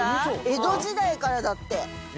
江戸時代からだって。